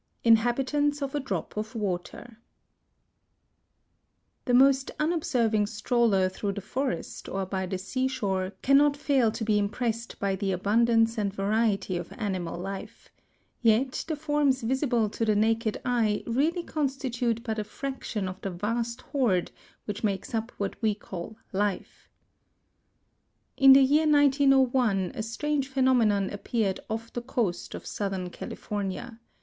INHABITANTS OF A DROP OF WATER The most unobserving stroller through the forest or by the seashore can not fail to be impressed by the abundance and variety of animal life; yet the forms visible to the naked eye really constitute but a fraction of the vast horde which makes up what we call life. In the year 1901 a strange phenomenon appeared off the coast of southern California.